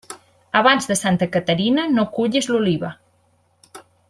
Abans de Santa Caterina, no cullis l'oliva.